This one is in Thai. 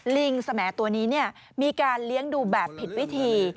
ลิงสมตัวนี้มีการเลี้ยงดูแบบผิดวิธี